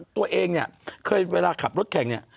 ตัวเองเนี่ยเคยเวลาขับรถแข่งเนี่ย